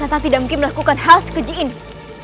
ia telah mengobrak api kampung ini